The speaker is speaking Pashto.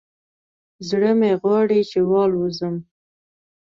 زړه مې غواړي چې والوزم